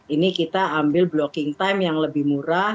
ini kita ambil blocking time yang lebih murah